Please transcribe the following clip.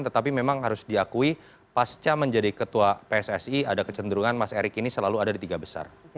tetapi memang harus diakui pasca menjadi ketua pssi ada kecenderungan mas erick ini selalu ada di tiga besar